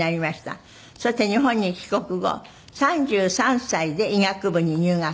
そして日本に帰国後３３歳で医学部に入学。